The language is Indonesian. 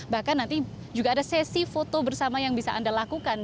bahkan nanti juga ada sesi foto bersama yang bisa anda lakukan